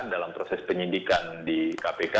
dalam proses penyidikan di kpk